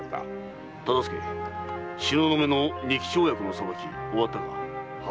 忠相東雲の仁吉親子の裁き終わったのか。